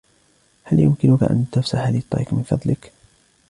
هل يمكنك أن تفسح لي الطريق من فضلك ؟